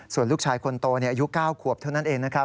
ส่วนลูกชายคนโตอายุ๙ขวบเท่านั้นเองนะครับ